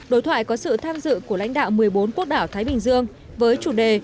đối thoại có sự tham dự của lãnh đạo một mươi bốn quốc đảo thái bình dương với chủ đề